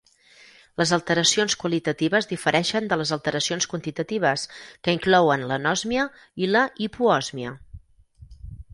Les alteracions qualitatives difereixen de les alteracions quantitatives, que inclouen l'anòsmia i la hipoòsmia.